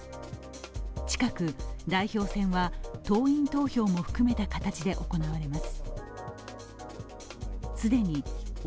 近く代表選は党員投票も含めた形で行われます。